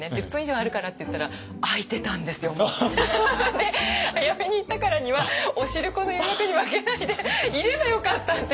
で早めに行ったからにはお汁粉の誘惑に負けないでいればよかったって。